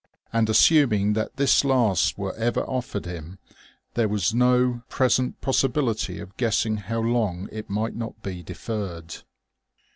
And, assuming that this last were ever offered him, there was no present possibility of guessing how long it might not be deferred.